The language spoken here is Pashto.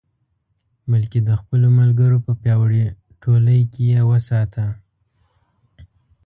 بلکې د خپلو ملګرو په پیاوړې ټولۍ کې یې وساته.